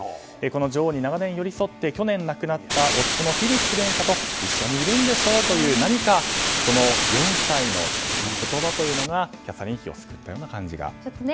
女王に長年寄り添って去年亡くなった夫フィリップ殿下と一緒にいるんでしょという何か４歳の言葉というのがキャサリン妃を救ったような感じですね。